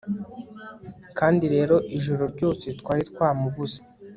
kandi rero, ijoro ryose- twari twamubuze